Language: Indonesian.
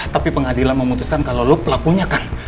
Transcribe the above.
tapi pengadilan memutuskan kalau lo pelakunya kan